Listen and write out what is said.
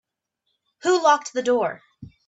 Who locked the door?